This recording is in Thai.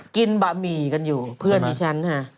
บะหมี่กันอยู่เพื่อนดิฉันค่ะ